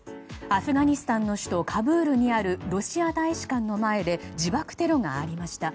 アフガニスタンの首都カブールにあるロシア大使館の前で自爆テロがありました。